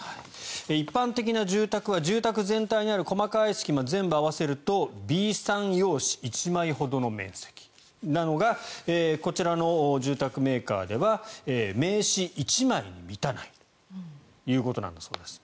一般的な住宅は住宅全体にある細かい隙間全部合わせるとＢ３用紙１枚ほどの面積なのがこちらの住宅メーカーでは名刺１枚に満たないということだそうです。